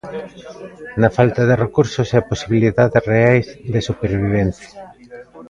Na falta de recursos e posibilidades reais de supervivencia.